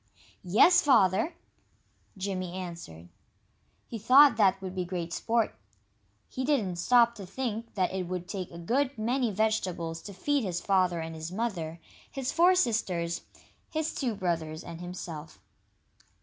"Yes, Father!" Jimmy answered. He thought that would be great sport. He didn't stop to think that it would take a good many vegetables to feed his father and his mother, his four sisters, his two brothers, and himself.